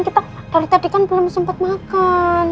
kita dari tadi kan belum sempat makan